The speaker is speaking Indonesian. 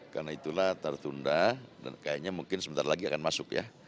karena itulah tertunda dan kayaknya mungkin sebentar lagi akan masuk ya